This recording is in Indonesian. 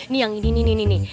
nih yang ini nih nih